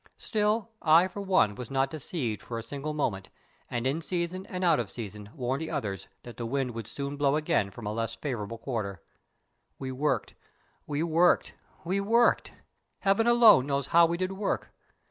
Still, I for one was not deceived for a single moment, and in season and out of season warned the others that the wind would soon blow again from a less favourable quarter. We worked, we worked, we worked! Heaven alone knows how we did work.